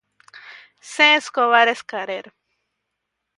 C. Escobar Schaerer.